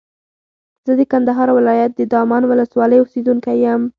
زه د کندهار ولایت د دامان ولسوالۍ اوسېدونکی یم.